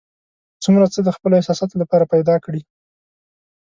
څومره څه د خپلو احساساتو لپاره پیدا کړي.